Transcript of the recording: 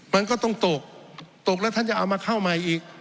มันก็ต้องตกตกแล้วท่านจะเอามาเข้าใหม่อีก